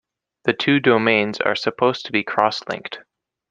The two domains are supposed to be cross-linked.